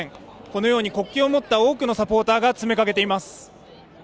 このように国旗を持った多くのサポーターが詰めかけています